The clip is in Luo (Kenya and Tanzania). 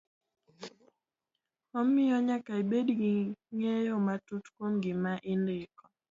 Omiyo, nyaka ibed gi ng'eyo matut kuom gima idndiko.